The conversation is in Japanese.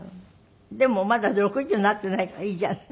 でもまだ６０になっていないからいいじゃない。